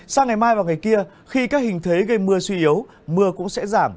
sang ngày mai và ngày kia khi các hình thế gây mưa suy yếu mưa cũng sẽ giảm